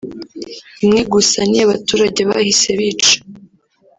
imwe gusa niyo abaturage bahise bica